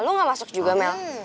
lu gak masuk juga mel